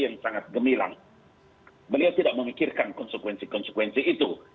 yang sangat gemilang beliau tidak memikirkan konsekuensi konsekuensi itu